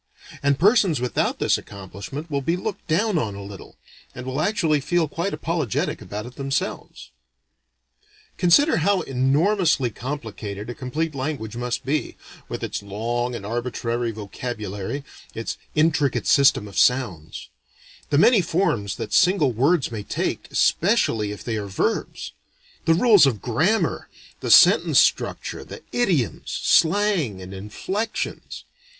And persons without this accomplishment will be looked down on a little, and will actually feel quite apologetic about it themselves. Consider how enormously complicated a complete language must be, with its long and arbitrary vocabulary, its intricate system of sounds; the many forms that single words may take, especially if they are verbs; the rules of grammar, the sentence structure, the idioms, slang and inflections.